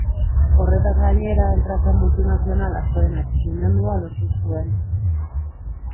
Horretaz gainera, enpresa multinazional askoren atxikimendua lortu zuen.